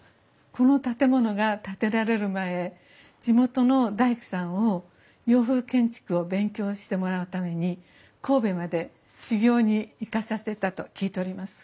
この建物が建てられる前地元の大工さんを洋風建築を勉強してもらうために神戸まで修業に行かさせたと聞いております。